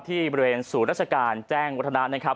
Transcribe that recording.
ที่บริเวณศูนย์ราชการแจ้งวัฒนะนะครับ